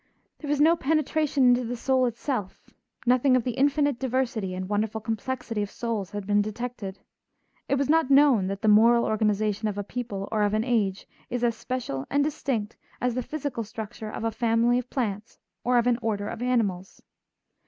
There was no penetration into the soul itself; nothing of the infinite diversity and wonderful complexity of souls had been detected; it was not known that the moral organization of a people or of an age is as special and distinct as the physical structure of a family of plants or of an order of animals.